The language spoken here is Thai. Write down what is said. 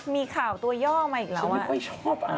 มีข่าวตัวย่อมาอีกแล้ว